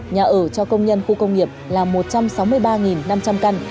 nhà ở cho công nhân khu công nghiệp là một trăm sáu mươi ba năm trăm linh căn